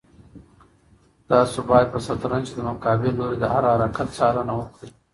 تاسو باید په شطرنج کې د مقابل لوري د هر حرکت څارنه وکړئ.